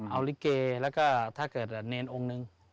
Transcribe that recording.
เอาลิเกแล้วก็ถ้าเกิดเนรองค์นึง